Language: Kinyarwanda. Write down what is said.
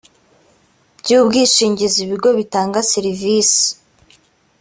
by ubwishingizi ibigo bitanga serivisi